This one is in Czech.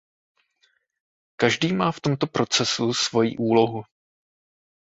Každý má v tomto procesu svoji úlohu.